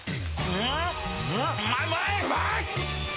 うまい！！